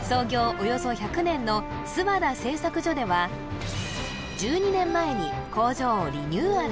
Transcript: およそ１００年の諏訪田製作所では１２年前に工場をリニューアル